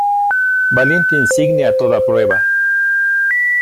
Valiente insigne a toda prueba.